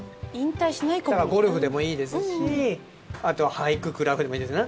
ゴルフでもいいですしあとは俳句クラブでもいいです。